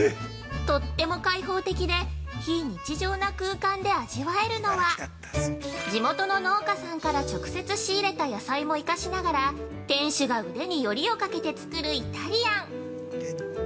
とっても開放的で非日常な空間で味わえるのは地元の農家さんから直接仕入れた野菜も生かしながら店主が腕によりをかけて作るイタリアン。